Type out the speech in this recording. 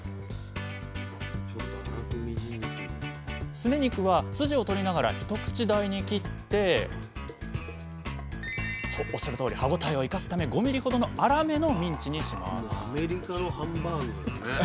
すね肉は筋を取りながら一口大に切って歯応えを生かすため５ｍｍほどの粗めのミンチにします